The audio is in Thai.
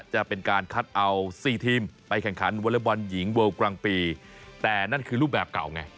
จะเป็นการคัดเอาสี่ทีมไปแข่งขันวอเล็กบอลหญิงเวิลกลางปีแต่นั่นคือรูปแบบเก่าไง